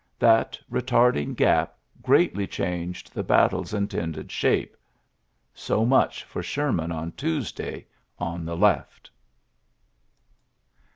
That retarding gap greatly changed the battle's intended shape. So much foi Sherman on Tuesday, on the left.